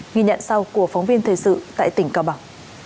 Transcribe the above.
nghi nhận sau của phóng viên thời sự tại tỉnh cao bảo